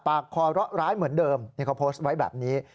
คอเลาะร้ายเหมือนเดิมนี่เขาโพสต์ไว้แบบนี้